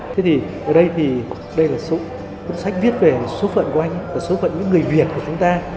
thế thì ở đây thì đây là số sách viết về số phận của anh và số phận những người việt của chúng ta